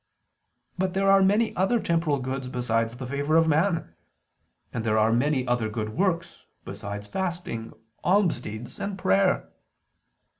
But there are many other temporal goods besides the favor of man: and there are many other good works besides fasting, alms deeds, and prayer.